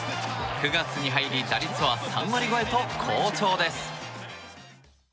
９月に入り打率は３割超えと好調です。